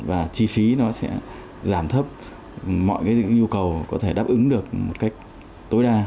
và chi phí nó sẽ giảm thấp mọi cái nhu cầu có thể đáp ứng được một cách tối đa